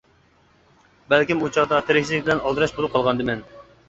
بەلكىم ئۇ چاغدا تىرىكچىلىك بىلەن ئالدىراش بولۇپ قالغاندىمەن.